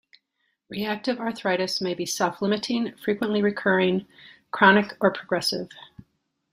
Reactive arthritis may be self-limiting, frequently recurring, chronic or progressive.